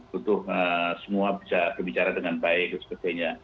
butuh semua bisa berbicara dengan baik dan sebagainya